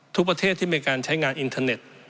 ทุกประเทศที่มีการใช้งานอินเทอร์เน็ต